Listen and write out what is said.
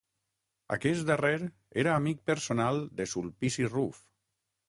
Aquest darrer era amic personal de Sulpici Ruf.